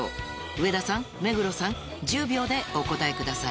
上田さん目黒さん１０秒でお答えください